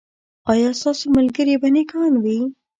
ایا ستاسو ملګري به نیکان وي؟